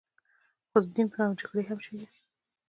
خو د دین په نامه جګړې هم شوې دي.